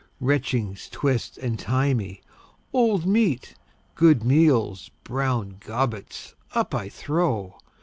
Retchings twist and tie me, Old meat, good meals, brown gobbets, up I throw.